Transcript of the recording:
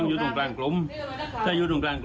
โอ้โหย